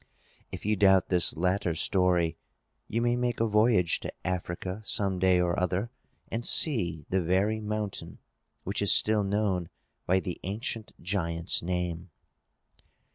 If you doubt this latter story, you may make a voyage to Africa, some day or other, and see the very mountain, which is still known by the ancient giant's name.